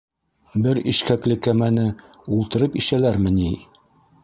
Бер ишкәкле кәмәне ултырып ишәләрме ни?